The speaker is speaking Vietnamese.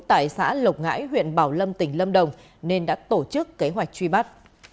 tại xã lộc ngãi huyện bảo lâm tỉnh lâm đồng nên đã tổ chức kế hoạch truy bắt